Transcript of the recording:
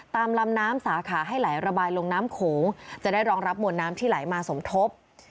ตามลำน้ำสาขาให้ไหลระบายลงน้ำโขงจะได้รองรับมวลน้ำที่ไหลมาสมทบ